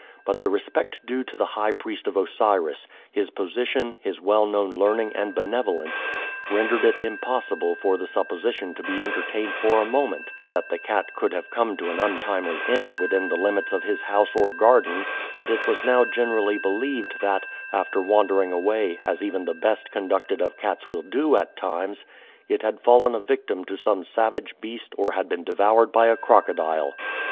But the respect due to the high priest of Osiris, his position, his well known learning and benevolence rendered it impossible for the supposition to be entertained for a moment that the cat could have come to an untimely end within the limits of his house or garden, but it was now generally believed that, after wandering away, as even the best conducted of cats will do at times, it had fallen a victim to some savage beast or had been devoured by a crocodile.